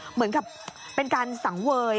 เหมือนกับเป็นการสังเวย